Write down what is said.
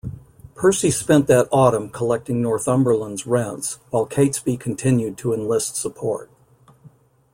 Percy spent that Autumn collecting Northumberland's rents, while Catesby continued to enlist support.